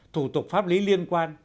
thủ tục pháp lý liên quan